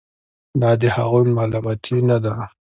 دا د هغوی ملامتي نه ده.